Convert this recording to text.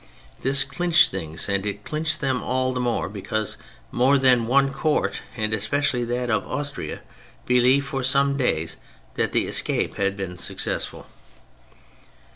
This clinched things ; and it clinched them all the more because more than one Court, and especiall}'' that of Austria, believed for some days that the escape had been successful.